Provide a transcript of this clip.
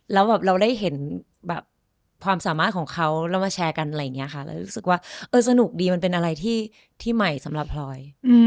แล้วแบบเราได้เห็นแบบความสามารถของเขาแล้วมาแชร์กันอะไรอย่างนี้ค่ะเรารู้สึกว่าเออสนุกดีมันเป็นอะไรที่ใหม่สำหรับพลอย